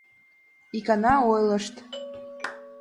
Икана ойлышт: